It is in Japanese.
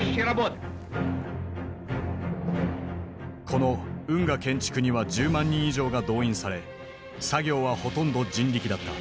この運河建築には１０万人以上が動員され作業はほとんど人力だった。